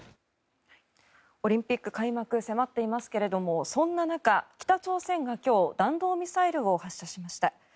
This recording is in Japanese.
オリンピック開幕が迫っていますがそんな中、北朝鮮が今日弾道ミサイルを発射しました。